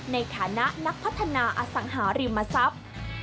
ในฐานะนักพัฒนาอสังหาริมทรัพย์